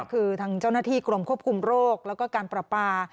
คือทางเจ้าหน้าที่กรมควบคุมโรคแล้วก็การประปา